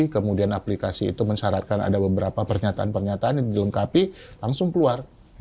kemudian aplikasi itu mensyaratkan ada beberapa pernyataan pernyataan yang dilengkapi langsung keluar